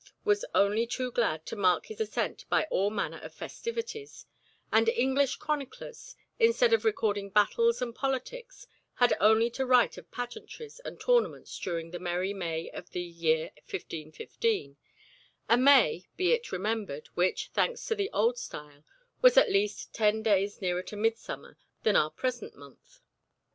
was only too glad to mark his assent by all manner of festivities; and English chroniclers, instead of recording battles and politics, had only to write of pageantries and tournaments during the merry May of the year 1515—a May, be it remembered, which, thanks to the old style, was at least ten days nearer to Midsummer than our present month.